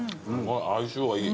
相性がいい。